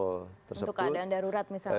untuk keadaan darurat misalnya